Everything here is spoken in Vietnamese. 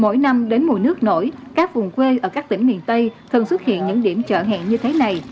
mỗi năm đến mùa nước nổi các vùng quê ở các tỉnh miền tây thường xuất hiện những điểm chợ hẹn như thế này